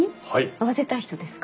会わせたい人ですか？